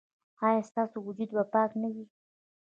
ایا ستاسو وجود به پاک نه وي؟